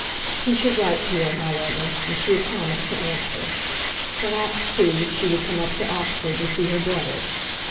He should write to her, however, and she had promised to answer. Perhaps, too, she would come up to Oxford to see her brother.